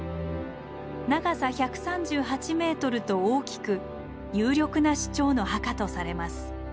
長さ１３８ｍと大きく有力な首長の墓とされます。